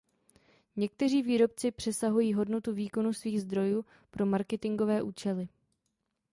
Někteří výrobci přesahují hodnotu výkonu svých zdrojů pro marketingové účely.